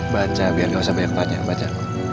baca biar gak usah banyak tanya baca